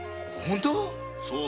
本当？